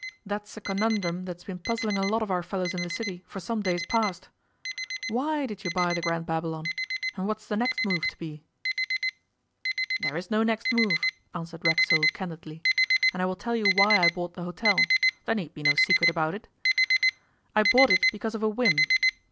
That's a conundrum that's been puzzling a lot of our fellows in the City for some days past. Why did you buy the Grand Babylon? And what is the next move to be?' 'There is no next move,' answered Racksole candidly, 'and I will tell you why I bought the hotel; there need be no secret about it. I bought it because of a whim.